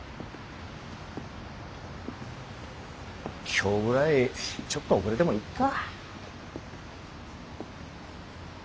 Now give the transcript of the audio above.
今日ぐらいちょっと遅れてもいっか。